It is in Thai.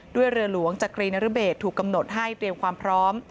เรือหลวงจักรีนรเบศถูกกำหนดให้เตรียมความพร้อม